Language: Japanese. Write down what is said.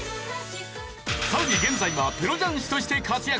さらに現在はプロ雀士として活躍。